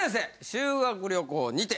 修学旅行にて。